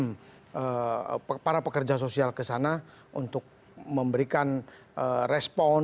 dan membutuhkan para pekerja sosial ke sana untuk memberikan respon